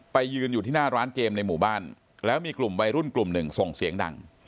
ยืนอยู่ที่หน้าร้านเกมในหมู่บ้านแล้วมีกลุ่มวัยรุ่นกลุ่มหนึ่งส่งเสียงดัง